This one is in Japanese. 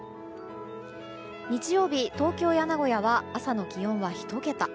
日曜日、東京や名古屋は朝の気温は１桁。